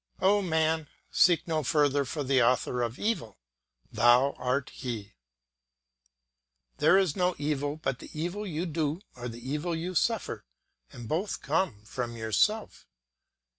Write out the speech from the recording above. O Man! seek no further for the author of evil; thou art he. There is no evil but the evil you do or the evil you suffer, and both come from yourself.